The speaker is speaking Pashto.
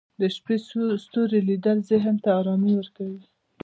د شپې ستوري لیدل ذهن ته ارامي ورکوي